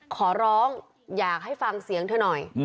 ขอร้องอยากให้ฟังเสียงเธอหน่อย